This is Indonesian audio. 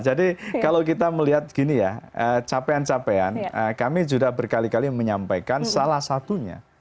jadi kalau kita melihat gini ya capean capean kami juga berkali kali menyampaikan salah satunya